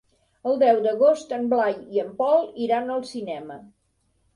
El deu d'agost en Blai i en Pol iran al cinema.